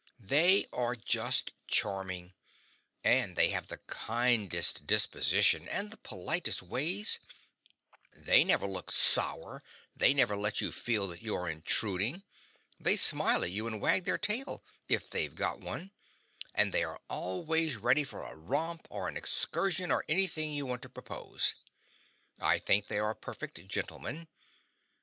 They are just charming, and they have the kindest disposition and the politest ways; they never look sour, they never let you feel that you are intruding, they smile at you and wag their tail, if they've got one, and they are always ready for a romp or an excursion or anything you want to propose. I think they are perfect gentlemen.